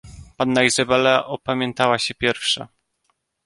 "Panna Izabela opamiętała się pierwsza."